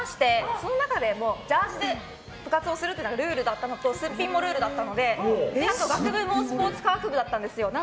その中でもジャージーで部活をするというのがルールだったのですっぴんもルールだったので学部もスポーツ学部だったんですよ。